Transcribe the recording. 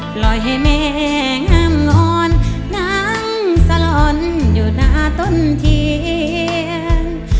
ปล่อยให้แม่งามงอนนั่งสลอนอยู่หน้าต้นเทียน